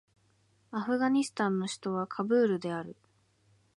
アフガニスタンの首都はカブールである